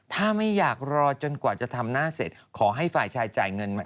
ถ้าไม่อยากรอจนกว่าจะทำหน้าเสร็จขอให้ฝ่ายชายจ่ายเงินมา